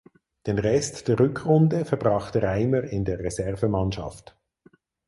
Den Rest der Rückrunde verbrachte Reimer in der Reservemannschaft.